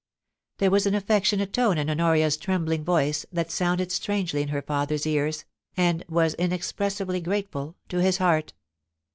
There was an affectionate tone in Honoria's trembling' voice, that sounded strangely in her father's ears, and was inexpressibly grateful to his heart.